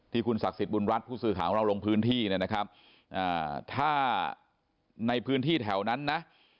ที่คุณสักสิทธิบุญรัชค์ผู้สื่อของเราลงพื้นที่ถ้าในพื้นที่แถวนั้นน่ะ